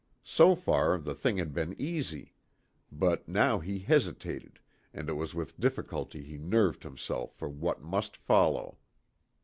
So far, the thing had been easy, but now he hesitated, and it was with difficulty he nerved himself for what must follow.